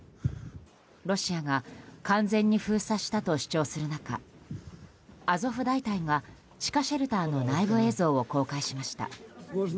ロシアが完全に封鎖したと主張する中アゾフ大隊が地下シェルターの内部映像を公開しました。